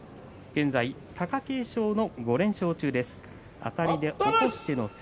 現在、貴景勝の５連勝中。